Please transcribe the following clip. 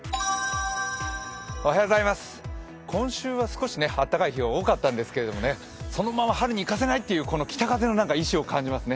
今週は少しあったかい日が多かったんですけどね、そのまま春に行かせない！という北風の意思を感じますね。